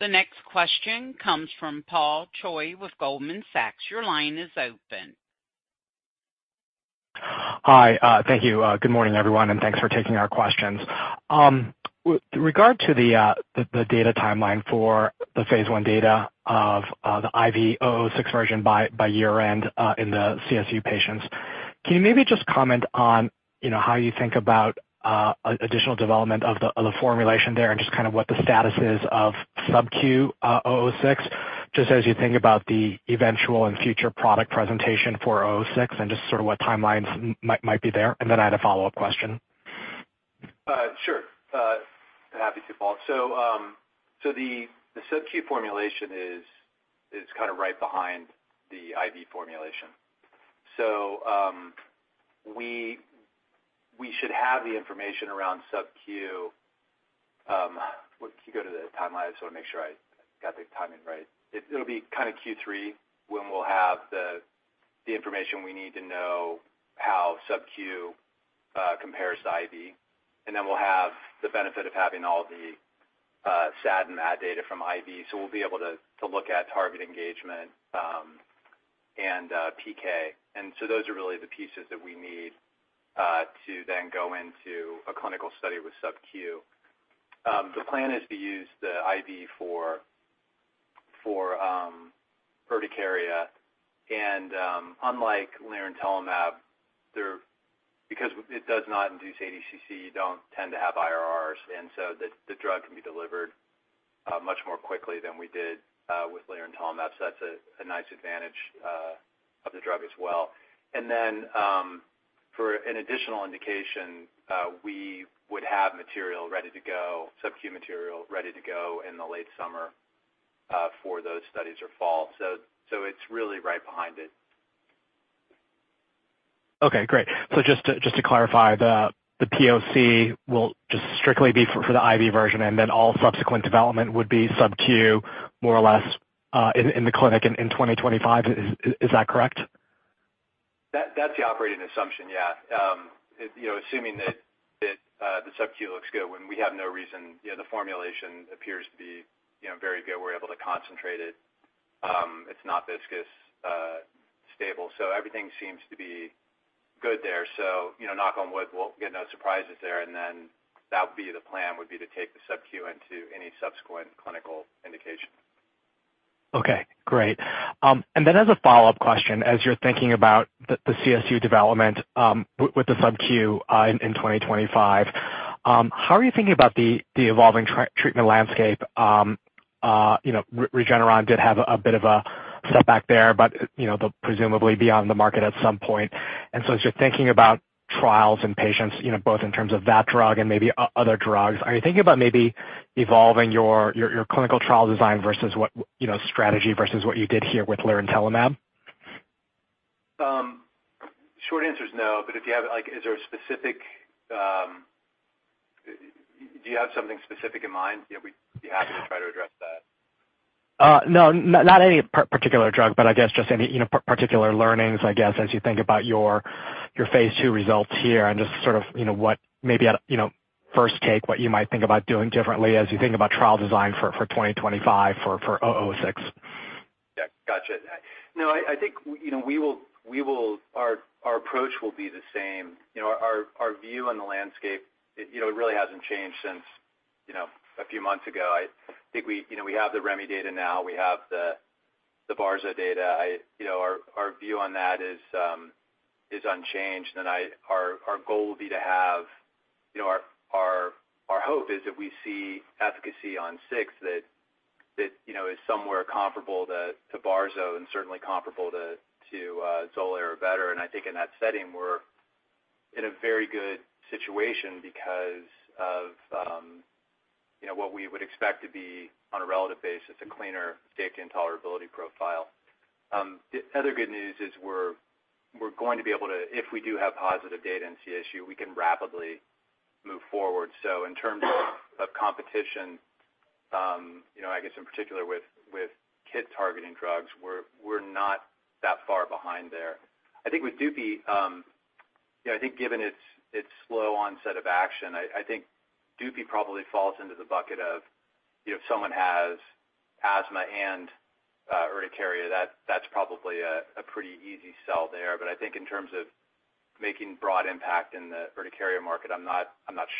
The next question comes from Paul Choi with Goldman Sachs. Your line is open. Hi, thank you. Good morning, everyone, and thanks for taking our questions. With regard to the data timeline for the Phase 1 data of the IV AK006 version by year-end in the CSU patients, can you maybe just comment on, you know, how you think about additional development of the formulation there and just kind of what the status is of sub-Q AK006, just as you think about the eventual and future product presentation for AK006, and just sort of what timelines might be there? And then I had a follow-up question. Sure. Happy to, Paul. So, the sub-Q formulation is kind of right behind the IV formulation. So, we should have the information around sub-Q, well, can you go to the timeline? I just wanna make sure I got the timing right. It'll be kind of Q3 when we'll have the information we need to know how sub-Q compares to IV. And then we'll have the benefit of having all the SAD and MAD data from IV. So we'll be able to look at target engagement, and PK. And so those are really the pieces that we need to then go into a clinical study with sub-Q. The plan is to use the IV for urticaria, and unlike lirentelimab, there, because it does not induce ADCC, you don't tend to have IRRs, and so the drug can be delivered much more quickly than we did with lirentelimab. So that's a nice advantage of the drug as well. And then, for an additional indication, we would have material ready to go, sub-Q material ready to go in the late summer for those studies or fall. So it's really right behind it. Okay, great. So just to clarify, the POC will just strictly be for the IV version, and then all subsequent development would be sub-Q, more or less, in the clinic in 2025. Is that correct? That, that's the operating assumption, yeah. You know, assuming that the sub-Q looks good, when we have no reason, you know, the formulation appears to be, you know, very good. We're able to concentrate it. It's not viscous, stable, so everything seems to be good there. So, you know, knock on wood, we'll get no surprises there, and then that would be the plan, would be to take the sub-Q into any subsequent clinical indication. Okay, great. And then as a follow-up question, as you're thinking about the CSU development, with the sub-Q in 2025, how are you thinking about the evolving treatment landscape? You know, Regeneron did have a bit of a setback there, but, you know, they'll presumably be on the market at some point. And so as you're thinking about trials and patients, you know, both in terms of that drug and maybe other drugs, are you thinking about maybe evolving your clinical trial design versus what, you know, strategy versus what you did here with lirentelimab? Short answer is no, but if you have, like, is there a specific, do you have something specific in mind? You know, we'd be happy to try to address that. No, not any particular drug, but I guess just any, you know, particular learnings, I guess, as you think about your, Phase 2 results here and just sort of, you know, what maybe at, you know, first take, what you might think about doing differently as you think about trial design for, for 2025 for, for AK006? Yeah. Gotcha. No, I think, you know, we will, we will—our approach will be the same. You know, our view on the landscape, it, you know, it really hasn't changed since, you know, a few months ago. I think we, you know, we have the remibrutinib data now, we have the barzolvolimab data. I—you know, our view on that is unchanged, and our goal will be to have, you know, our hope is that we see efficacy on six that, you know, is somewhere comparable to barzolvolimab and certainly comparable to Xolair or better. And I think in that setting, we're in a very good situation because of, you know, what we would expect to be on a relative basis, a cleaner safety and tolerability profile. The other good news is we're going to be able to, if we do have positive data in CSU, we can rapidly move forward. So in terms of competition, you know, I guess in particular with KIT-targeting drugs, we're not that far behind there. I think with Dupie, you know, I think given its slow onset of action, I think Dupie probably falls into the bucket of, you know, if someone has asthma and urticaria, that's probably a pretty easy sell there. But I think in terms of making broad impact in the urticaria market, I'm not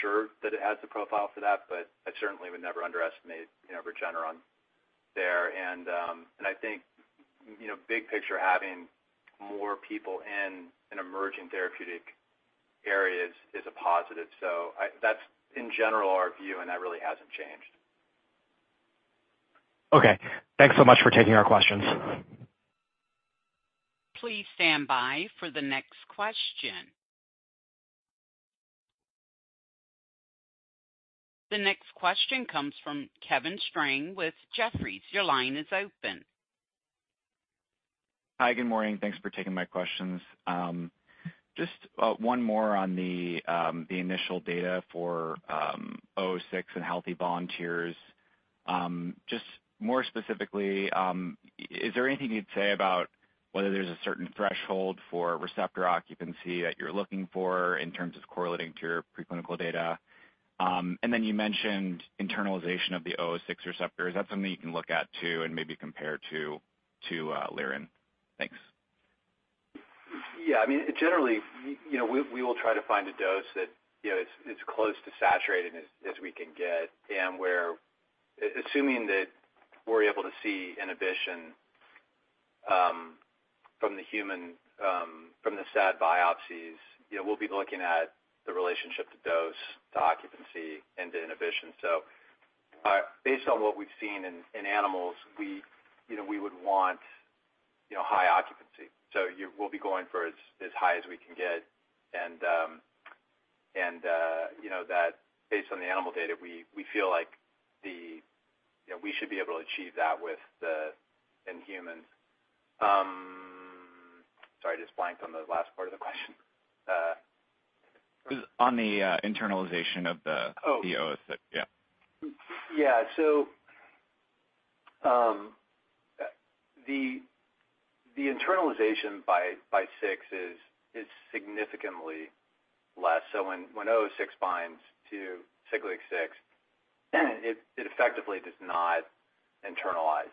sure that it has the profile for that, but I certainly would never underestimate, you know, Regeneron there. And I think, you know, big picture, having more people in an emerging therapeutic area is a positive. That's in general our view, and that really hasn't changed. Okay. Thanks so much for taking our questions. Please stand by for the next question. The next question comes from Kevin Strang with Jefferies. Your line is open. Hi, good morning. Thanks for taking my questions. Just one more on the initial data for AK006 and healthy volunteers. Just more specifically, is there anything you'd say about whether there's a certain threshold for receptor occupancy that you're looking for in terms of correlating to your preclinical data? And then you mentioned internalization of the AK006 receptor. Is that something you can look at, too, and maybe compare to lirentelimab? Thanks. Yeah, I mean, generally, you know, we will try to find a dose that, you know, is close to saturated as we can get. And we're assuming that we're able to see inhibition from the human from the sad biopsies, you know, we'll be looking at the relationship to dose, to occupancy and to inhibition. So, based on what we've seen in animals, we, you know, we would want high occupancy, so we'll be going for as high as we can get. And, and, you know, that based on the animal data, we feel like we should be able to achieve that in humans. Sorry, I just blanked on the last part of the question. It was on the, internalization of the- Oh. the AK006. Yeah. Yeah. So, the internalization by six is significantly less. So when AK006 binds to Siglec-6, it effectively does not internalize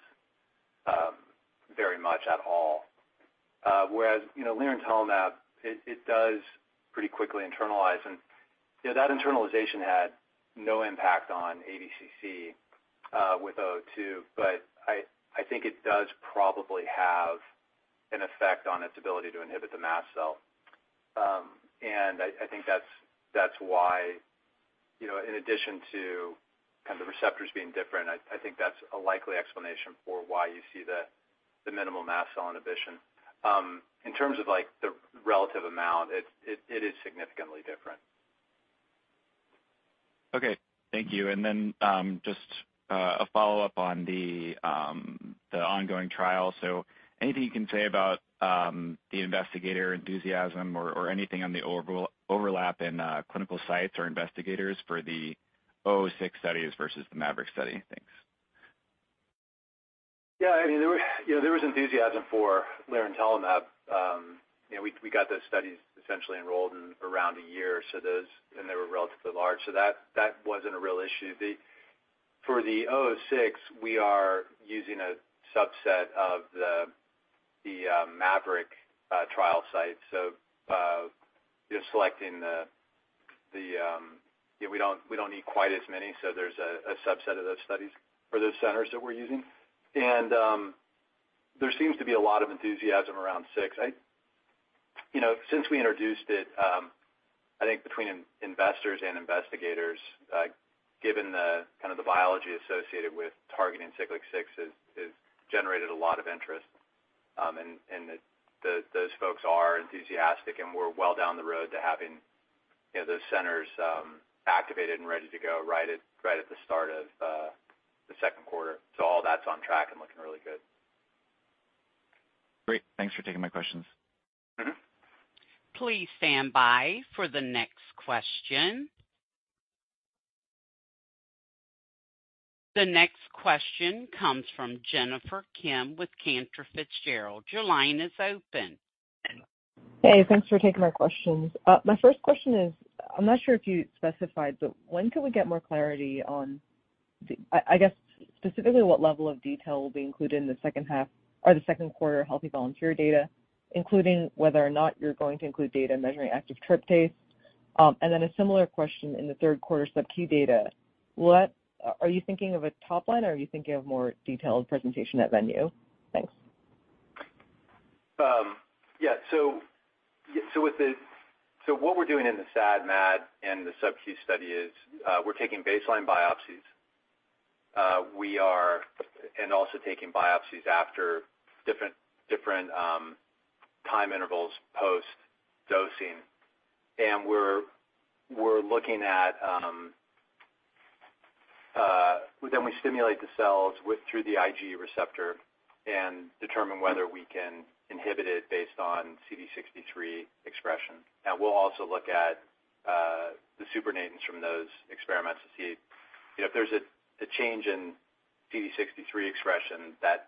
very much at all. Whereas, you know, lirentelimab it does pretty quickly internalize, and, you know, that internalization had no impact on ADCC with 002, but I think it does probably have an effect on its ability to inhibit the mast cell. And I think that's why, you know, in addition to kind of the receptors being different, I think that's a likely explanation for why you see the minimal mast cell inhibition. In terms of like the relative amount, it is significantly different. Okay. Thank you. And then, just a follow-up on the ongoing trial. So anything you can say about the investigator enthusiasm or anything on the overlap in clinical sites or investigators for the AK006 studies versus the MAVERICK study? Thanks. Yeah, I mean, there were, you know, there was enthusiasm for lirentelimab. You know, we got those studies essentially enrolled in around a year, so those, and they were relatively large, so that wasn't a real issue. For the AK006, we are using a subset of the MAVERICK trial site. So, just selecting the, you know, we don't need quite as many, so there's a subset of those studies for those centers that we're using. And, there seems to be a lot of enthusiasm around six. You know, since we introduced it, I think between investors and investigators, given the kind of the biology associated with targeting Siglec-6 has generated a lot of interest. And those folks are enthusiastic, and we're well down the road to having, you know, those centers activated and ready to go right at the start of the second quarter. So all that's on track and looking really good. Great, thanks for taking my questions. Please stand by for the next question. The next question comes from Jennifer Kim with Cantor Fitzgerald. Your line is open. Hey, thanks for taking my questions. My first question is, I'm not sure if you specified, but when can we get more clarity on the, I guess, specifically, what level of detail will be included in the second half or the second quarter healthy volunteer data, including whether or not you're going to include data measuring active tryptase? And then a similar question in the third quarter sub-Q data. What are you thinking of a top line, or are you thinking of more detailed presentation at venue? Thanks. Yeah. So what we're doing in the SAD, MAD, and the sub-Q study is, we're taking baseline biopsies. We are also taking biopsies after different time intervals post-dosing. And we're looking at, then we stimulate the cells through the IgE receptor and determine whether we can inhibit it based on CD63 expression. And we'll also look at the supernatants from those experiments to see if, you know, if there's a change in CD63 expression, that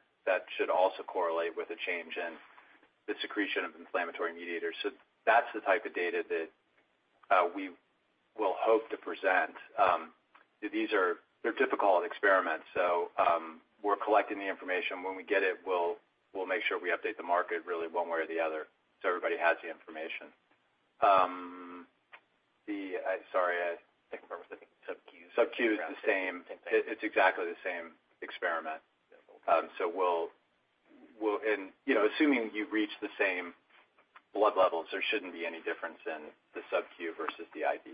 should also correlate with a change in the secretion of inflammatory mediators. So that's the type of data that we will hope to present. These are difficult experiments, so we're collecting the information. When we get it, we'll make sure we update the market really one way or the other, so everybody has the information. Sorry, I can't remember sub-Q. sub-Q is the same. It's exactly the same experiment. So we'll... And, you know, assuming you reach the same blood levels, there shouldn't be any difference in the sub-Q versus the IV.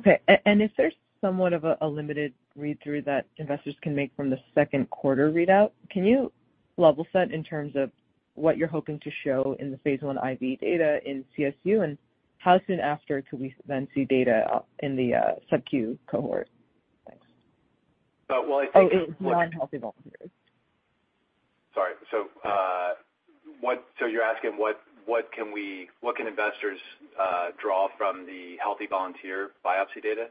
Okay, and is there somewhat of a limited read-through that investors can make from the second quarter readout? Can you level set in terms of what you're hoping to show in the Phase 1 IV data in CSU, and how soon after could we then see data up in the sub-Q cohort? Thanks. Well, I think- Oh, in non-healthy volunteers. Sorry. So, you're asking what, what can we, what can investors, draw from the healthy volunteer biopsy data?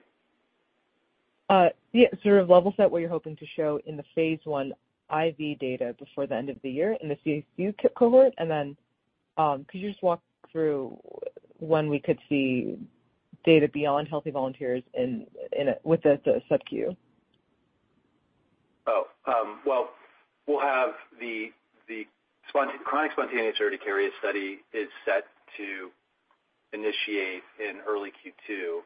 Yeah, sort of level set what you're hoping to show in the Phase 1 IV data before the end of the year in the CSU cohort, and then could you just walk through when we could see data beyond healthy volunteers in a with the sub-Q? Well, we'll have the Chronic Spontaneous Urticaria study is set to initiate in early Q2.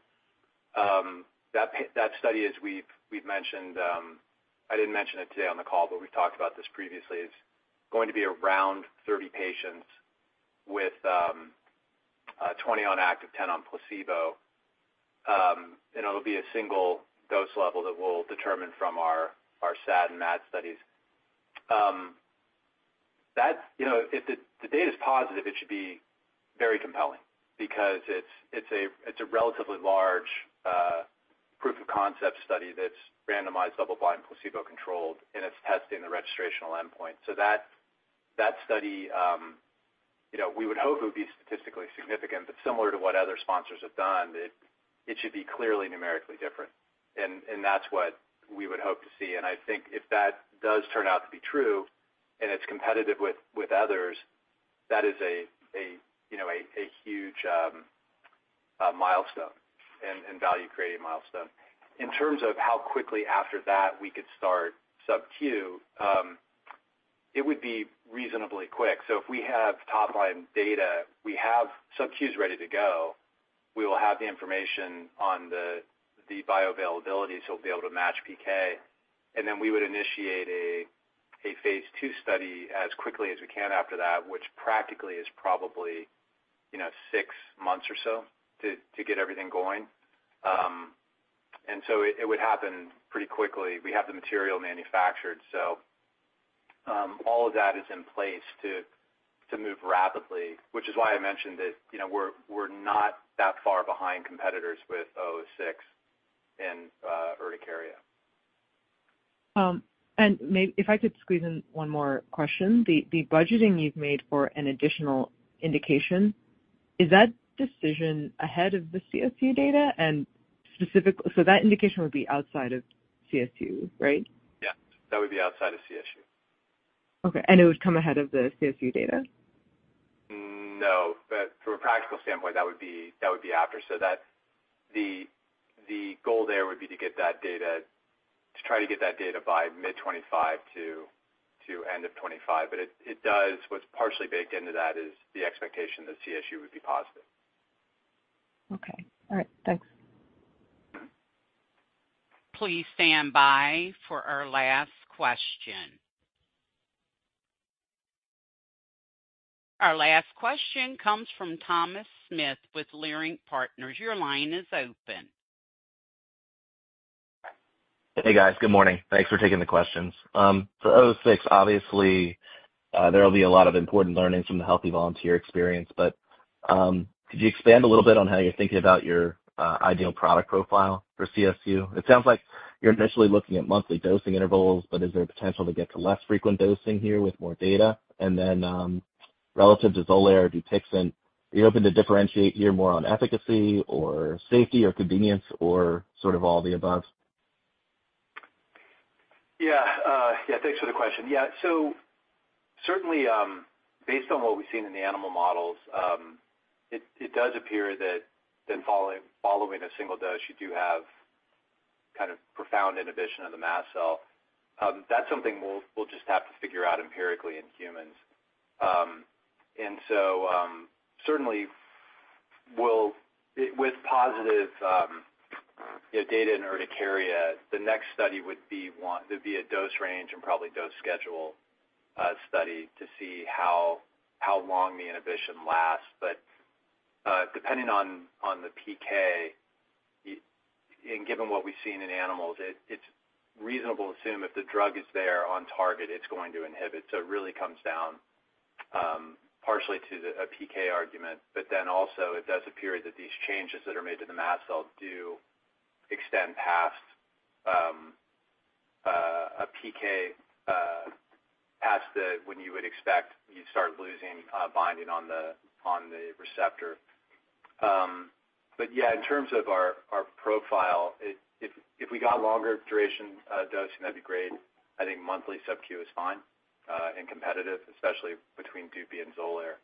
That study, as we've mentioned, I didn't mention it today on the call, but we've talked about this previously, is going to be around 30 patients with twenty on active, ten on placebo. And it'll be a single dose level that we'll determine from our SAD and MAD studies. That's, you know, if the data is positive, it should be very compelling because it's a relatively large proof of concept study that's randomized, double blind, placebo controlled, and it's testing the registrational endpoint. So that study, you know, we would hope it would be statistically significant, but similar to what other sponsors have done, it should be clearly numerically different, and that's what we would hope to see. And I think if that does turn out to be true, and it's competitive with others, that is a, you know, a huge milestone and value-creating milestone. In terms of how quickly after that we could start sub-Q, it would be reasonably quick. So if we have top line data, we have sub-Q's ready to go. We will have the information on the bioavailability, so we'll be able to match PK. And then we would initiate a Phase 2 study as quickly as we can after that, which practically is probably, you know, six months or so to get everything going. And so it would happen pretty quickly. We have the material manufactured, so all of that is in place to move rapidly, which is why I mentioned that, you know, we're not that far behind competitors with AK006 and urticaria. And, may I, if I could squeeze in one more question. The budgeting you've made for an additional indication, is that decision ahead of the CSU data and specifically, so that indication would be outside of CSU, right? Yeah, that would be outside of CSU. Okay, and it would come ahead of the CSU data? No, but from a practical standpoint, that would be after. So that's the goal there would be to try to get that data by mid-2025 to end of 2025. But it does... What's partially baked into that is the expectation that CSU would be positive. Okay. All right, thanks. Please stand by for our last question. Our last question comes from Thomas Smith with Leerink Partners. Your line is open. Hey, guys. Good morning. Thanks for taking the questions. For AK006, obviously, there will be a lot of important learnings from the healthy volunteer experience, but could you expand a little bit on how you're thinking about your ideal product profile for CSU? It sounds like you're initially looking at monthly dosing intervals, but is there a potential to get to less frequent dosing here with more data? And then, relative to Xolair or Dupixent, are you open to differentiate here more on efficacy or safety or convenience or sort of all the above? Yeah. Yeah, thanks for the question. Yeah, so certainly, based on what we've seen in the animal models, it does appear that in following a single dose, you do have kind of profound inhibition of the mast cell. That's something we'll just have to figure out empirically in humans. And so, certainly with positive, you know, data in urticaria, the next study would be a dose range and probably dose schedule study to see how long the inhibition lasts. But, depending on the PK and given what we've seen in animals, it's reasonable to assume if the drug is there on target, it's going to inhibit. So it really comes down, partially to a PK argument, but then also it does appear that these changes that are made to the mast cell do extend past a PK, past the when you would expect you'd start losing binding on the receptor. But yeah, in terms of our profile, if we got longer duration dose, that'd be great. I think monthly sub-Q is fine, and competitive, especially between Dupixent and Xolair.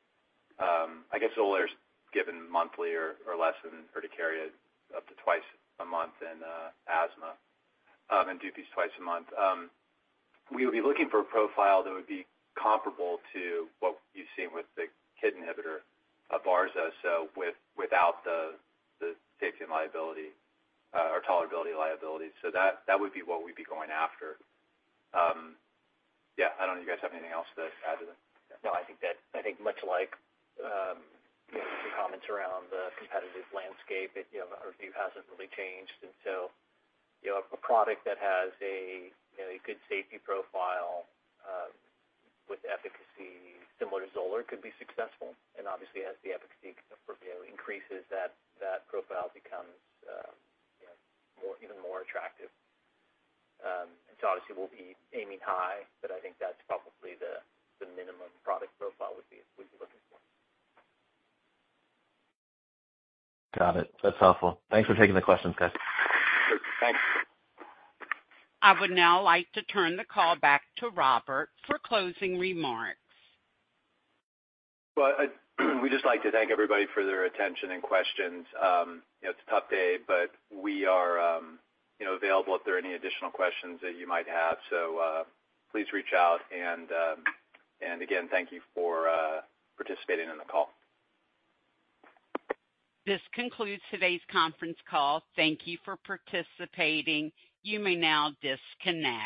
I guess Xolair's given monthly or less in urticaria, up to twice a month in asthma, and Dupixent's twice a month. We would be looking for a profile that would be comparable to what you've seen with the KIT inhibitor, barzolvolimab, so without the safety and liability or tolerability liabilities. That would be what we'd be going after. Yeah, I don't know if you guys have anything else to add to that? No, I think that, I think much like you know, the comments around the competitive landscape, you know, our view hasn't really changed. And so, you know, a product that has a you know, a good safety profile with efficacy similar to Xolair could be successful. And obviously, as the efficacy for you know, increases, that profile becomes you know, more, even more attractive. So obviously we'll be aiming high, but I think that's probably the minimum product profile we'd be looking for. Got it. That's helpful. Thanks for taking the questions, guys. Sure. Thanks. I would now like to turn the call back to Robert for closing remarks. Well, we'd just like to thank everybody for their attention and questions. You know, it's a tough day, but we are, you know, available if there are any additional questions that you might have. So, please reach out, and, and again, thank you for participating in the call. This concludes today's conference call. Thank you for participating. You may now disconnect.